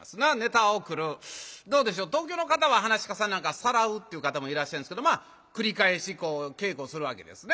どうでしょう東京の方は噺家さんなんかは「さらう」って言う方もいらっしゃるんですけどまあ繰り返しこう稽古するわけですね。